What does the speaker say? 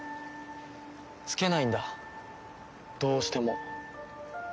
つけないんだどうしても。